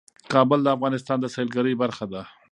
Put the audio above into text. کابل د افغانستان د سیلګرۍ برخه ده.